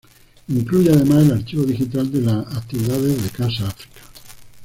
Incluye, además, el archivo digital de las actividades de Casa África.